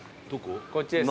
こっちです。